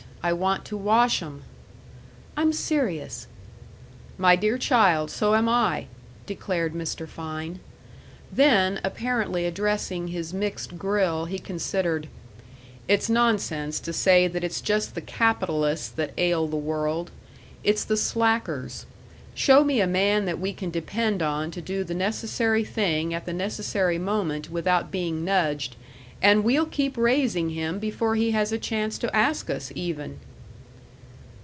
I want to wash 'em." "I'm serious." "My dear child, so am I," declared Mr. Fein. Then, apparently addressing his mixed grill, he considered: "It's nonsense to say that it's just the capitalists that ail the world. It's the slackers. Show me a man that we can depend on to do the necessary thing at the necessary moment without being nudged, and we'll keep raising him before he has a chance to ask us, even."